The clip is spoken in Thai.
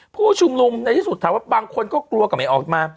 ผู้ชุมนุมในที่สุดถามว่าบางคนก็กลัวก็ไม่ออกมา